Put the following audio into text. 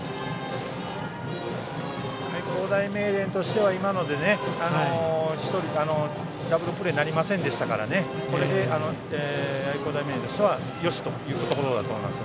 愛工大名電としては今のでダブルプレーになりませんでしたからこれで、愛工大名電としてはよしというところだと思います。